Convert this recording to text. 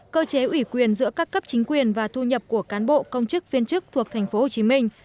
cơ chế ủy quyền giữa các cấp chính quyền và thu nhập của cán bộ công chức viên chức thuộc thành phố hồ chí minh